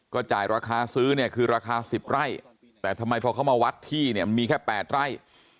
จ่ายราคาซื้อเนี่ยคือราคา๑๐ไร่แต่ทำไมพอเขามาวัดที่เนี่ยมีแค่๘ไร่